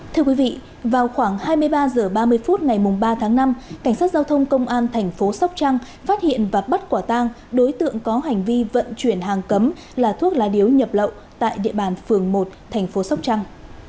thưa quý vị vào khoảng hai mươi ba h ba mươi phút ngày ba tháng năm cảnh sát giao thông công an thành phố sóc trăng phát hiện và bắt quả tang đối tượng có hành vi vận chuyển hàng cấm là thuốc lá điếu nhập lậu tại địa bàn phường một thành phố sóc trăng